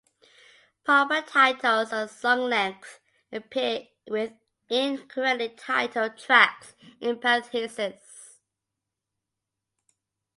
Proper titles and song lengths appear with incorrectly titled tracks in parenthesis.